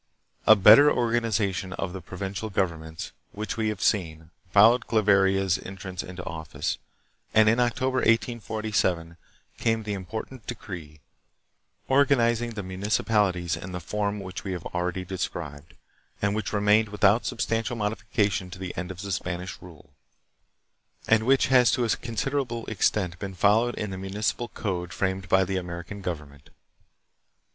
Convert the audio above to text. A better or ganization of the provincial governments, which we have seen, followed Claveria 's entrance into office, and in Octo ber, 1847, came the important decree, organizing the mu nicipalities in the form which we have already described, and which remained without substantial modification to the end of Spanish rule, and which has to a considerable extent been followed in the Municipal Code framed by the American government.